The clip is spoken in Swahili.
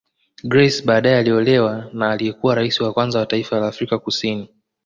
Grace badae aliolewa na aliyekuwa raisi wa kwanza wa taifa la Afrika Kusini